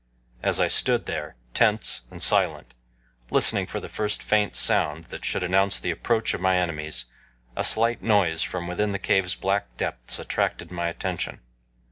As I stood there, tense and silent, listening for the first faint sound that should announce the approach of my enemies, a slight noise from within the cave's black depths attracted my attention.